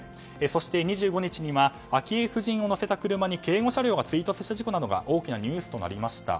そして２５日には昭恵夫人を乗せた車に警護車両が追突した事故などが大きなニュースになりました。